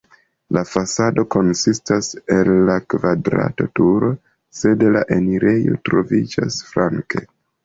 La fasado konsistas el la kvadrata turo, sed la enirejo troviĝas flanke.